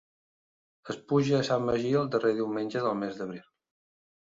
Es puja a Sant Magí el darrer diumenge del mes d'abril.